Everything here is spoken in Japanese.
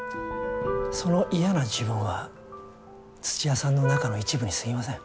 その嫌な自分は土屋さんの中の一部にすぎません。